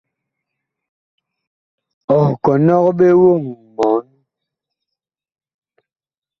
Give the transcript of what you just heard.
Ɔ kɔnɔg ɓe woŋ mɔɔn.